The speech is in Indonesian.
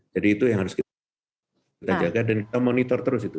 jadi itu yang harus kita jaga dan kita monitor terus itu